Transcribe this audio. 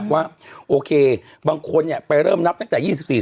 ว่าโอเคบางคนเนี่ยไปเริ่มนับตั้งแต่๒๔สิงหาคม